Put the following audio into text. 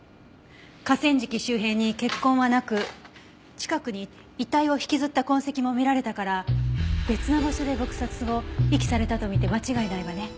河川敷周辺に血痕はなく近くに遺体を引きずった痕跡も見られたから別の場所で撲殺後遺棄されたと見て間違いないわね。